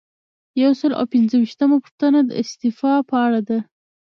یو سل او پنځه ویشتمه پوښتنه د استعفا په اړه ده.